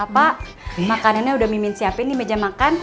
pak makanannya udah mimin siapin nih meja makan